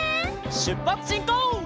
しゅっぱつしんこう！